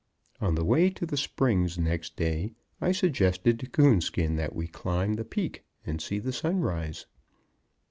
On the way to the Springs next day I suggested to Coonskin that we climb the Peak and see the sun rise.